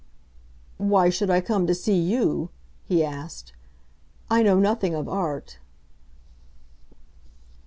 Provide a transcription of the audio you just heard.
"Why should I come to see you?" he asked. "I know nothing of Art."